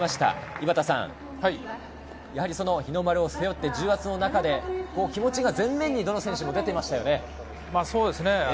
井端さん、やはり日の丸を背負って重圧の中で気持ちが前面にどの選手も出ていますよね。